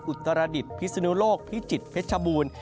อุตรดิษฐ์พิศนุโลกพิจิตรเพชรบูรณ์